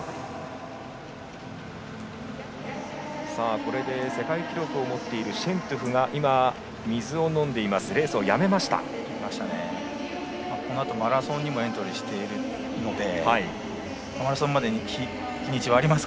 これで、世界記録を持つシェントゥフが今、水を飲んでいます。